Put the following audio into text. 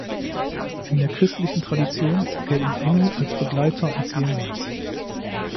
In der christlichen Tradition gelten Engel als Begleiter ins Jenseits.